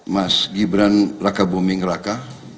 mas gibran raka buming raka